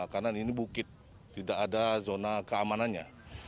karena ini bukit tidak ada zona keamanannya